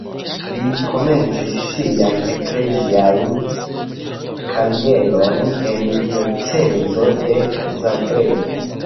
Li komencis sian eklezian karieron en diocezo de Zagrebo.